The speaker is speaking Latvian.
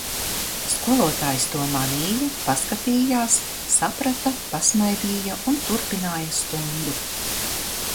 Skolotājs to manīja, paskatījās, saprata, pasmaidīja un turpināja stundu.